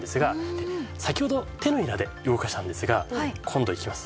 で先ほど手のひらで動かしたんですが今度いきます。